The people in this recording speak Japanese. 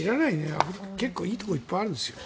アフリカは結構いいところいっぱいあるんですよ。